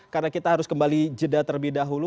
karena kita harus kembali jeda terlebih dahulu